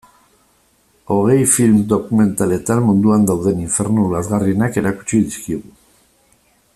Hogei film dokumentaletan munduan dauden infernu lazgarrienak erakutsi dizkigu.